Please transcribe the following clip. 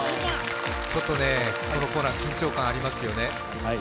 このコーナー緊張感ありますよね。